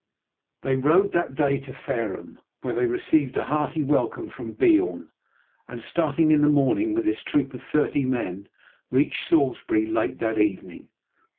They rode that day to Fareham, where they received a hearty welcome from Beorn, and starting in the morning with his troop of thirty men, reached Salisbury late that evening.